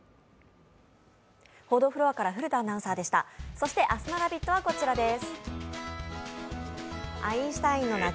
そして明日の「ラヴィット！」はこちらです。